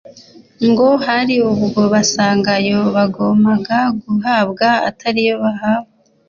ngo hari ubwo basanga ayo bagomaga guhabwa atariyo bahawe